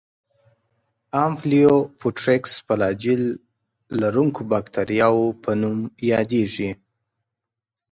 د امفیلوفوټرایکس فلاجیل لرونکو باکتریاوو په نوم یادیږي.